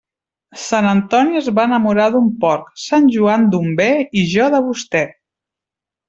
Sant Antoni es va enamorar d'un porc; Sant Joan, d'un be, i jo de vostè.